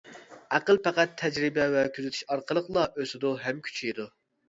ئەقىل پەقەت تەجرىبە ۋە كۆزىتىش ئارقىلىقلا ئۆسىدۇ ھەم كۈچىيىدۇ.